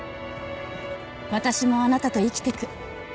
私もあなたと生きてく。